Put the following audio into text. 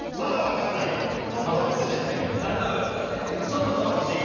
そろそろ欲しい。